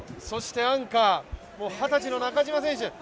アンカー、二十歳の中島選手。